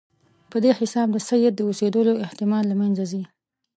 په دې حساب د سید د اوسېدلو احتمال له منځه ځي.